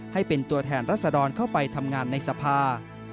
ให้เป็นตัวแทนรัศดรเข้าไปทำงานในสภา